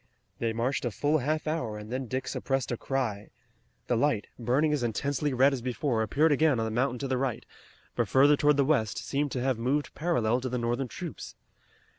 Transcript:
They marched a full half hour and then Dick suppressed a cry. The light, burning as intensely red as before, appeared again on the mountain to the right, but further toward the west, seeming to have moved parallel to the Northern troops.